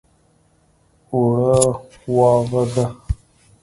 اوړه واغږه!